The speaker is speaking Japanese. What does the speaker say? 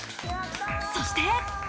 そして。